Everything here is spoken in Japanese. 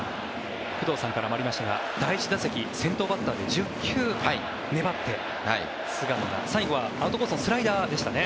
工藤さんからもありましたが第１打席、先頭バッターで１０球粘って菅野が最後はアウトコースのスライダーでしたね。